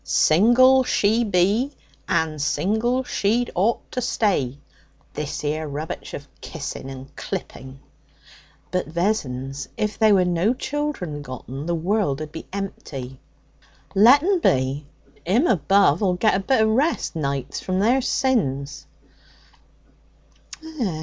'Single she be, and single she'd ought to stay. This 'ere rubbitch of kissing and clipping!' 'But, Vessons, if there were no children gotten, the world'd be empty.' 'Let 'un be. 'Im above'll get a bit of rest, nights, from their sins.'